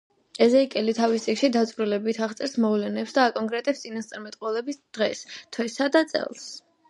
ეზეკიელი თავის წიგნში დაწვრილებით აღწერს მოვლენებს და აკონკრეტებს წინასწარმეტყველების დღეს, თვესა და წელს.